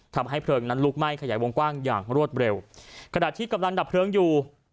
ทำให้เพลิงนั้นลุกไหม้ขยายวงกว้างอย่างรวดเร็วขณะที่กำลังดับเพลิงอยู่